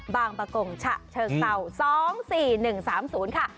บางประกงฉะเชิงเศร้า๒๔๑๓๐ค่ะ